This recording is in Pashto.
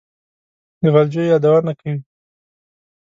د غلجیو یادونه کوي.